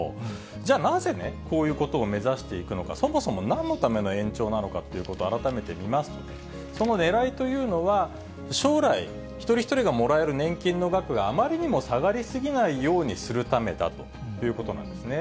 じゃあなぜね、こういうことを目指していくのか、そもそもなんのための延長なのかということを、改めて見ますと、そのねらいというのは、将来、一人一人がもらえる年金の額があまりにも下がり過ぎないようにするためだということなんですね。